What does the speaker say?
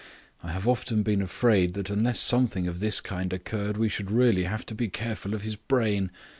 I have often been afraid that unless something of this kind occurred we should really have to be careful of his brain.